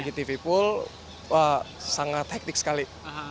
apalagi tv pool wah sangat hektik sekali